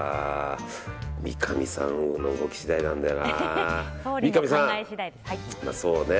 三上さんの動き次第なんだよな。